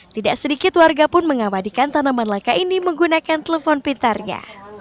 tidak sedikit warga pun mengabadikan tanaman langka ini menggunakan telepon pintarnya